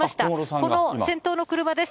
この先頭の車です。